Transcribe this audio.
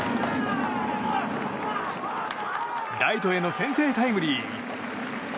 ライトへの先制タイムリー。